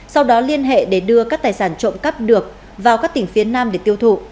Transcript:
sau đó liên hệ để đưa các tài sản trộm cắp được vào các tỉnh phía nam để tiêu thụ